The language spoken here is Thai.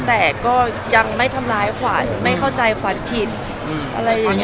แต่ก็ยังไม่ทำร้ายขวัญไม่เข้าใจขวัญผิดอะไรอย่างนี้